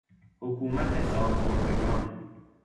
حکومت سالخوردگان